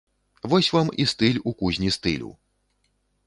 Вось вам і стыль у кузні стылю!